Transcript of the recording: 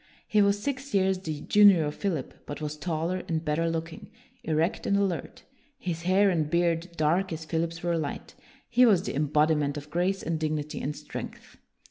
He was six years the junior of Philip, but was taller and better looking; erect and alert, his hair and beard dark as Philip's were light, he was the embodiment of grace and dignity and strength.